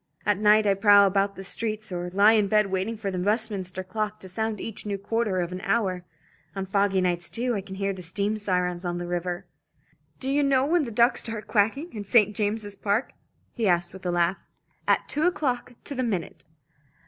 At night I prowl about the streets or lie in bed waiting for the Westminster clock to sound each new quarter of an hour. On foggy nights, too, I can hear steam sirens on the river. Do you know when the ducks start quacking in St. James's Park?" he asked with a laugh. "At two o'clock to the minute."